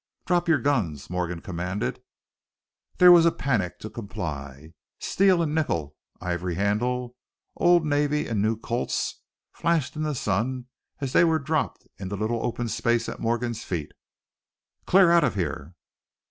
"Drop your guns!" Morgan commanded. There was a panic to comply. Steel and nickel, ivory handle, old navy and new Colt's, flashed in the sun as they were dropped in the little open space at Morgan's feet. "Clear out of here!"